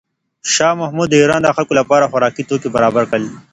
شاه محمود د ایران د خلکو لپاره خوراکي توکي برابر کړل.